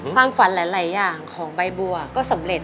ความฝันหลายอย่างของใบบัวก็สำเร็จ